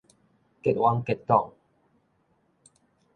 結嚾結黨